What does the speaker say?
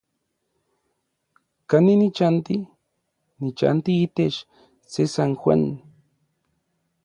¿Kanin nichanti? Nichanti itech se San Juan.